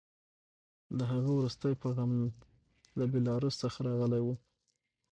د هغه وروستی پیغام له بیلاروس څخه راغلی و